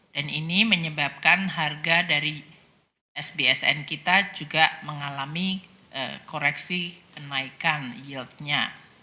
dan ini menyebabkan harga dari sbsn kita juga mengalami koreksi kenaikan yieldnya